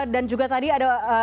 dan juga tadi ada